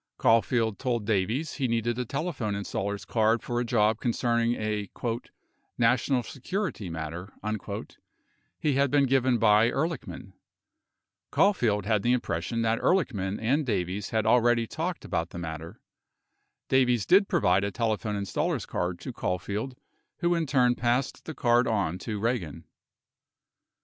21 Caulfield told Davies he needed a telephone installer's card for a job conce rning a "national security matter" he had been given by Ehrlichman. 22 Caulfield had the impression that Ehrlichman and Davies had already talked about the matter. Davies did provide a telephone installer's card to Caulfield, who in turn passed the card on to Eagan.